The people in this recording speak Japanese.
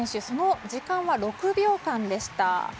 その時間は６秒間でした。